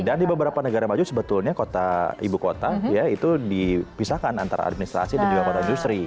dan di beberapa negara maju sebetulnya kota ibu kota ya itu dipisahkan antara administrasi dan juga kota industri